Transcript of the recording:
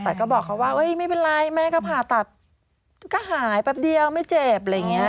แต่ก็บอกเขาว่าไม่เป็นไรแม่ก็ผ่าตัดก็หายแป๊บเดียวไม่เจ็บอะไรอย่างนี้